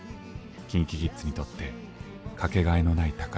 ＫｉｎＫｉＫｉｄｓにとってかけがえのない宝物である。